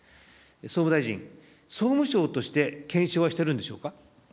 総務大臣、総務省として検証はしてるんでしょうか。